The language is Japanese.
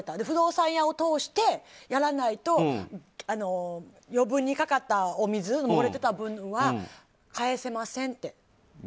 不動産屋を通してやらないと余分にかかった、漏れてた分は返せませんって。